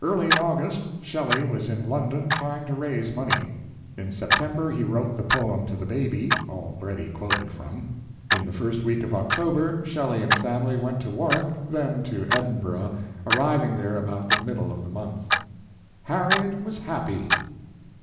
Early in August, Shelley was in London trying to raise money. In September he wrote the poem to the baby, already quoted from. In the first week of October Shelley and family went to Warwick, then to Edinburgh, arriving there about the middle of the month. "Harriet was happy."